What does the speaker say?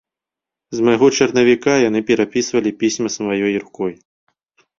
З майго чарнавіка яны перапісвалі пісьмы сваёй рукой.